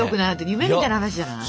夢みたいな話じゃない？